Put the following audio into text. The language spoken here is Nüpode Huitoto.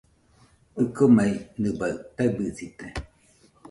ɨkomei, nɨbaɨ taɨbɨsite.